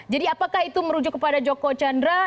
jadi apakah itu merujuk kepada joko chandra